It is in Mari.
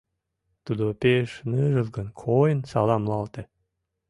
Тудо пеш ныжылгын койын саламлалте.